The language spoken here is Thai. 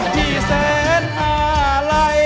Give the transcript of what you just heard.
ที่แสนห้าลัย